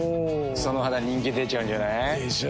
その肌人気出ちゃうんじゃない？でしょう。